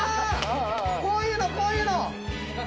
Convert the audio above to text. こういうのこういうの！